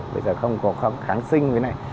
bây giờ không có kháng sinh cái này